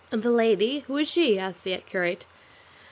"And the lady, who is she?" asked the curate.